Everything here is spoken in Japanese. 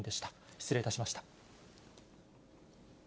失礼いたしました。